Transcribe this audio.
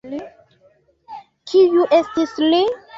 Kiu estis li?